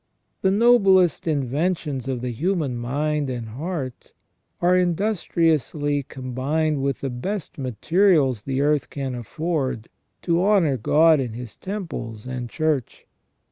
The noblest inventions of the human mind and heart are industriously combined with the best materials the earth can afford to honour God in His temples and Church.